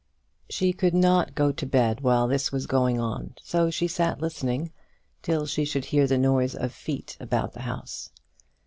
She could not go to bed while this was going on, so she sat listening, till she should hear the noise of feet about the house.